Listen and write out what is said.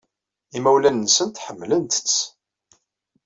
Imawlan-nsent ḥemmlen-tt.